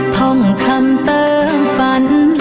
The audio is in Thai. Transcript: ท่องคำเติมฝัน